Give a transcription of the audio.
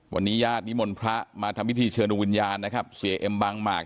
วันนี้ญาตินิมนต์พระมาทำพิธีเชิญดวงวิญญาณนะครับเสียเอ็มบางหมาก